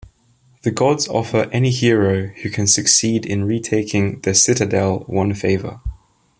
The gods offer any hero who can succeed in retaking the citadel one favor.